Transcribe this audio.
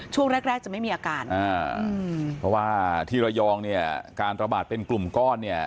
ช่วงแรกแรกจะไม่มีอาการอ่าเพราะว่าที่ระยองเนี่ยการระบาดเป็นกลุ่มก้อนเนี่ย